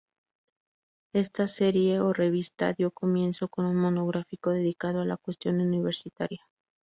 Esta serie o revista dio comienzo con un monográfico dedicado a "La Cuestión Universitaria".